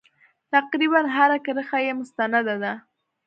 تقریبا هره کرښه یې مستنده ده.